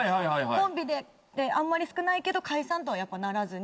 コンビでってあんまり少ないけど解散とはやっぱならずに。